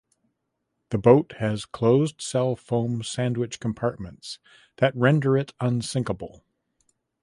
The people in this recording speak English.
The boat has closed cell foam sandwich compartments that render it unsinkable.